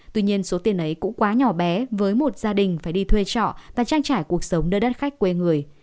tuy nhiên số tiền ấy cũng quá nhỏ bé với một gia đình phải đi thuê trọ và trang trải cuộc sống nơi đất khách quê người